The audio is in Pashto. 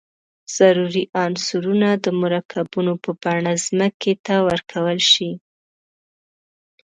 ضروري عنصرونه د مرکبونو په بڼه ځمکې ته ورکول شي.